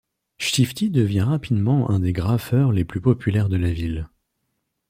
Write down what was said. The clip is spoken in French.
Shifty devient rapidement un des graffeurs les plus populaires de la ville.